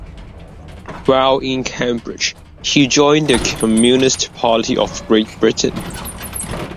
While in Cambridge he joined the Communist Party of Great Britain.